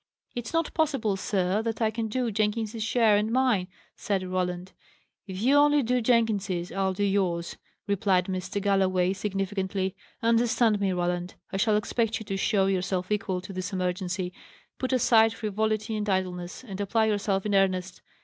"It's not possible, sir, that I can do Jenkins's share and mine," said Roland. "If you only do Jenkins's, I'll do yours," replied Mr. Galloway, significantly. "Understand me, Roland: I shall expect you to show yourself equal to this emergency. Put aside frivolity and idleness, and apply yourself in earnest.